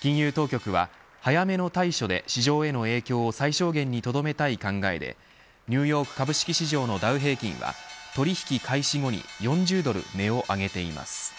金融当局は早めの対処で市場への影響を最小限にとどめたい考えでニューヨーク株式市場のダウ平均は取引開始後に４０ドル値を上げています。